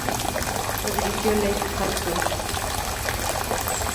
Lo dirigió Lasse Hallström.